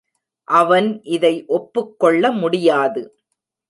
அவன் இதை ஒப்புக் கொள்ள முடியாது.